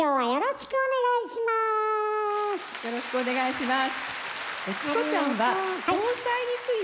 よろしくお願いします。